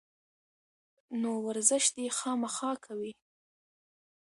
نو ورزش دې خامخا کوي